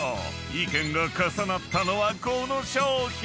［意見が重なったのはこの商品］